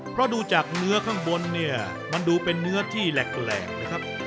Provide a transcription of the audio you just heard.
เพราะดูจากเนื้อข้างบนเนี่ยมันดูเป็นเนื้อที่แหลกนะครับ